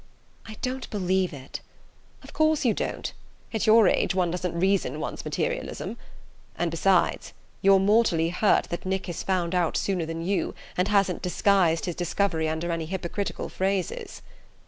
"I don't believe it!" "Of course you don't: at your age one doesn't reason one's materialism. And besides you're mortally hurt that Nick has found out sooner than you, and hasn't disguised his discovery under any hypocritical phrases."